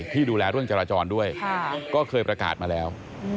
ที่ดูแลเรื่องจราจรด้วยก็เคยประกาศมาแล้ว